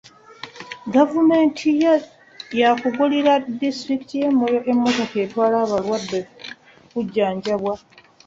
Gavumenti yagulira disitulikiti y'e Moyo emmotoka etwala abalwadde okujjanjabwa.